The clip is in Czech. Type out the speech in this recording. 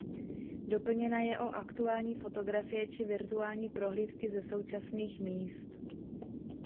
Doplněna je o aktuální fotografie či virtuální prohlídky ze současných míst.